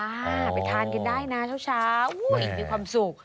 ไปทานกันได้นะเช้าอุ้ยมีความสุข